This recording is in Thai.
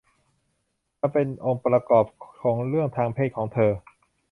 มันเป็นองค์ประกอบของเรื่องทางเพศของเธอ